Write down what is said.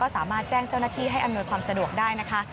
สามารถแจ้งเจ้าหน้าที่ให้อำนวยความสะดวกได้นะคะ